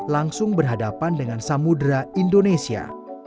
langsung berhadapan dengan samudera indonesia